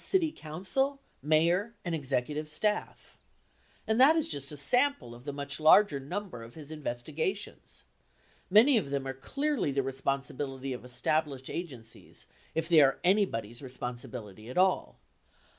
city council, mayor, and executive staff. 27 , And that is just a sample of the much larger number of his investigations. Many of them are clearly the responsibility of established agencies, if they are anybody's responsibility at all.